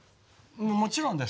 もちろんですよ。